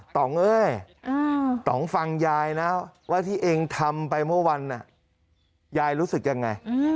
ต่องเอ้ยต่องฟังยายนะว่าที่เองทำไปเมื่อวันยายรู้สึกยังไง